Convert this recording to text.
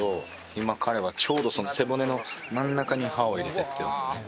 今彼はちょうどその背骨の真ん中に刃を入れてってるんですよね